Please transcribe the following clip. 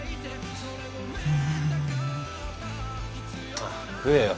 あっ食えよ。